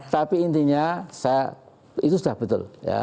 tapi intinya saya itu sudah betul